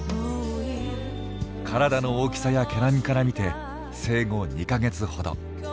体の大きさや毛並みからみて生後２か月ほど。